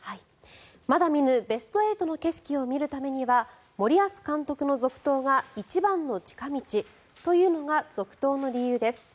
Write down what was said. まだ見ぬベスト８の景色を見るためには森保監督の続投が一番の近道というのが続投の理由です。